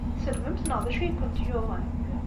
Tselbemt neɣ d acu ay kent-yuɣen?